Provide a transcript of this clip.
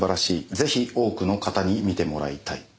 ぜひ多くの方に見てもらいたい」